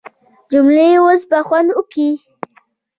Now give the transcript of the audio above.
جمیلې اوس به خوند وکي.